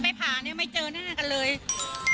จนที่พาไมคงไม่ได้เห็นเงินาทีเดียว